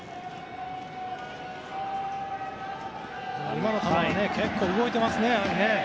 今の球も結構、動いていますね。